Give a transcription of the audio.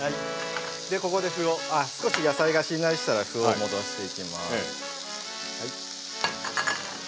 少し野菜がしんなりしたら麩を戻していきます。